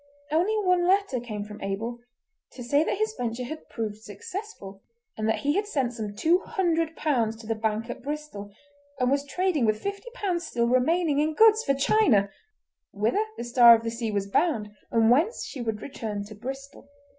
Only one letter came from Abel, to say that his venture had proved successful, and that he had sent some two hundred pounds to the bank at Bristol, and was trading with fifty pounds still remaining in goods for China, whither the Star of the Sea was bound and whence she would return to Bristol.